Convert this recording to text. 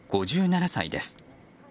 ５７歳です。